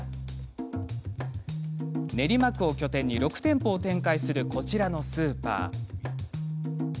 練馬区を拠点に６店舗を展開するこちらのスーパー。